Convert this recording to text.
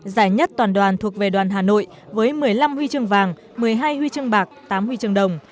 giải nhất toàn đoàn thuộc về đoàn hà nội với một mươi năm huy chương vàng một mươi hai huy chương bạc tám huy chương đồng